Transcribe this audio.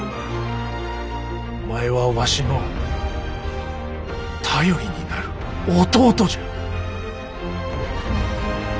お前はわしの頼りになる弟じゃ。